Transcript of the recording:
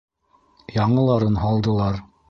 Яңыларын һалдылар.